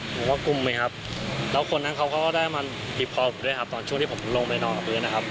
ผมก็กุมไปครับแล้วคนนั้นเขาก็ได้มาบีบคอผมด้วยครับตอนช่วงที่ผมลงไปนอนกับพื้นนะครับ